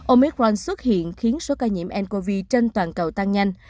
omecron xuất hiện khiến số ca nhiễm ncov trên toàn cầu tăng nhanh